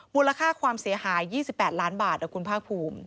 มูลค่าความเสียหาย๒๘ล้านบาทคุณภาคภูมิ